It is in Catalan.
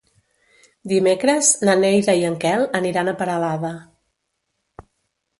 Dimecres na Neida i en Quel aniran a Peralada.